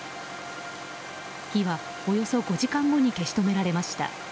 火はおよそ５時間後に消し止められました。